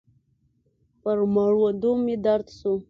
پر مړوندو مې درد سو.